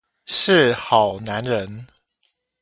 是好男人